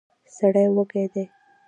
سړی وږی دی.